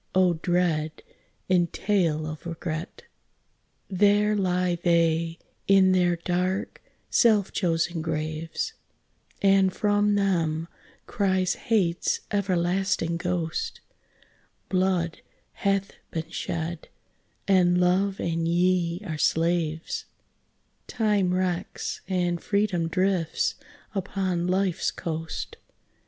oh, dread entail of regret! There lie they in their dark, self chosen graves, And from them cries Hate's everlasting ghost, "Blood hath been shed, and Love and ye are slaves, Time wrecks, and freedom drifts upon life's coast."